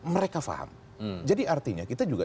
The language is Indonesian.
mereka paham jadi artinya kita juga